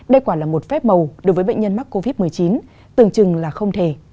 đây quả là một phép màu đối với bệnh nhân mắc covid một mươi chín tưởng chừng là không thể